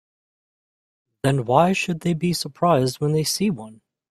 Then why should they be surprised when they see one?